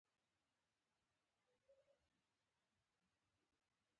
د مخه ښې دود هم و.